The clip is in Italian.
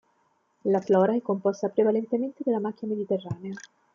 La flora è composta prevalentemente dalla macchia mediterranea.